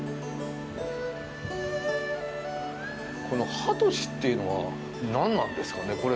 この「ハトシ」っていうのは何なんですかね？